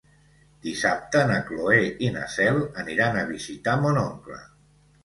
Dissabte na Cloè i na Cel aniran a visitar mon oncle.